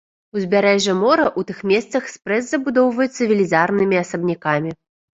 Узбярэжжа мора ў тых месцах спрэс забудоўваецца велізарнымі асабнякамі.